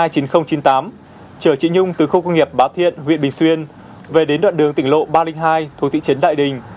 chở chị nhung từ khu công nghiệp bá thiện huyện bình xuyên về đến đoạn đường tỉnh lộ ba trăm linh hai thuộc thị trấn đại đình